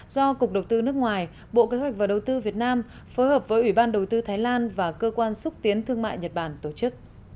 do cục đầu tư nước ngoài bộ kế hoạch và đầu tư việt nam phối hợp với ủy ban đầu tư thái lan và cơ quan xúc tiến thương mại nhật bản tổ chức